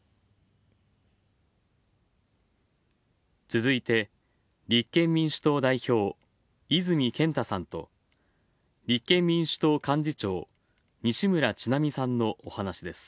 続いて、立憲民主党代表泉健太さんと立憲民主党幹事長西村智奈美さんのお話です。